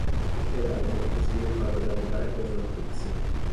Il telaio fu sviluppato da Medardo Fantuzzi.